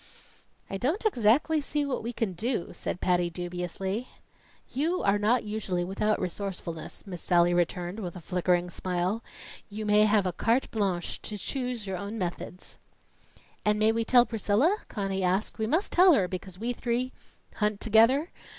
"I don't exactly see what we can do," said Patty, dubiously. "You are usually not without resourcefulness," Miss Sallie returned with a flickering smile. "You may have a carte blanche to choose your own methods." "And may we tell Priscilla?" Conny asked. "We must tell her because we three " "Hunt together?"